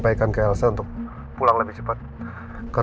pak amar memeringi rumah uda